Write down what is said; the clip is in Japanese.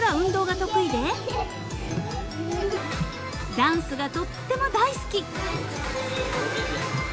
［ダンスがとっても大好き］